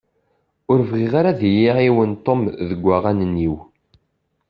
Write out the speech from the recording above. Ur bɣiɣ ara ad iyi-iɛiwen Tom deg waɣanen-iw.